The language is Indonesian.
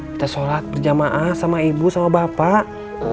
kita sholat berjamaah sama ibu sama bapak